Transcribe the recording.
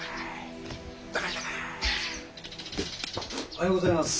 おはようございます。